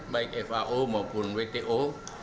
baik fao maupun wto